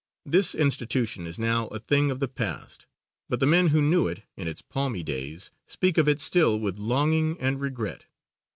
This institution is now a thing of the past, but the men who knew it in its palmy days speak of it still with longing and regret.